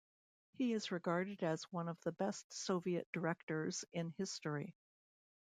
He is regarded as one of the best soviet directors in history.